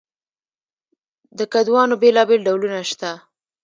د کدوانو بیلابیل ډولونه شتون لري.